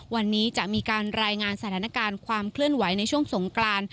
วันนี้จะมีการรายงานสถานการณ์ความเคลื่อนไหวในช่วงสงกราน